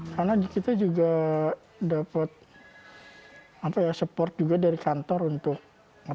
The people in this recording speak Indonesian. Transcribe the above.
alvin mengatakan bahwa hanya dengan bekerja di rumah